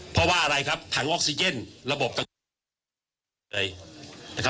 เพราะว่าอะไรครับถังออกซิเจนระบบต่าง